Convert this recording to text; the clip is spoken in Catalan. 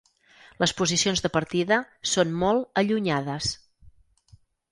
Les posicions de partida són molt allunyades.